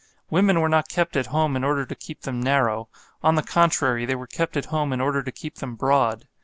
Women were not kept at home in order to keep them narrow; on the contrary, they were kept at home in order to keep them broad.